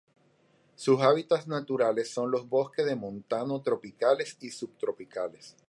Sus hábitats naturales son los bosques de montano tropicales y subtropicales.